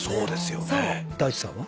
大知さんは？